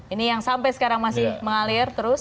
ini yang sampai sekarang masih mengalir terus